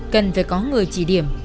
cần phải có người chỉ điểm